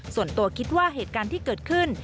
ส่วนตัวคิดว่าเหตุการณ์ที่เกิดขึ้น